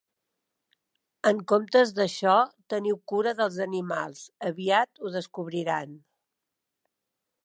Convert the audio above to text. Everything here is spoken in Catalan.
En comptes d'això, teniu cura dels animals, aviat ho descobriran.